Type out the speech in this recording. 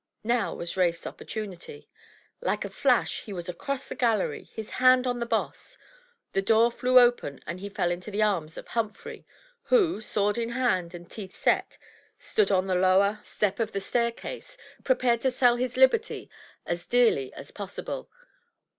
Now was Rafe's opportunity. Like a flash he was across the gallery, his hand on the boss. The door flew open, and he fell into the arms of Humphrey, who, sword in hand and teeth set, stood on the lower 323 MYBOOK HOUSE step of the staircase, prepared to sell his liberty as dearly as possible.